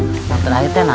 jangan terlalu banyak ya